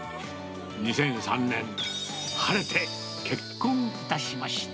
２００３年、晴れて結婚いたしました。